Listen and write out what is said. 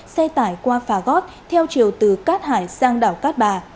xe tải qua phà gót theo chiều từ cát hải sang đảo cát bà